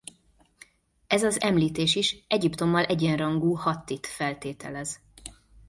Ez az említés is Egyiptommal egyenrangú Hattit feltételez.